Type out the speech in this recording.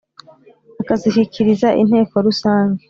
akazishyikiriza Inteko rusange